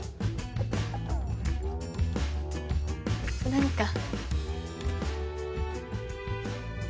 何か？